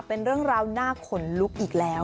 เป็นเรื่องราวน่าขนลุกอีกแล้ว